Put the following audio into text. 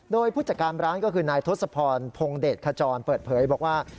โดยผู้จัดการร้านก็คือนายทศพรพงเดชขจรเปิดเผยบอกว่า